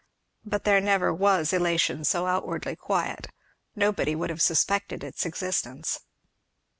But there never was elation so outwardly quiet. Nobody would have suspected its existence.